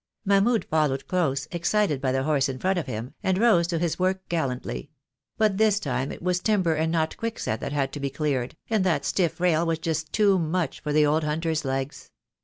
Mahmud followed close, excited by the horse in front of him, and rose to his work gallantly; but this time it was timber THE DAY WILL COME. 2 1 and not quick set that had to be cleared, and that stiff rail was just too much for the old hunter's legs.